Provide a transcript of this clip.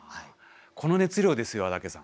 この熱量ですよ安宅さん。